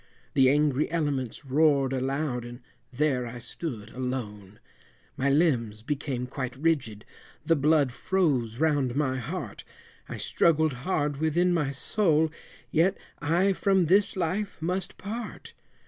The angry elements roared aloud, and there I stood alone, My limbs became quite rigid, the blood froze round my heart, I struggled hard within my soul, yet I from this life must part.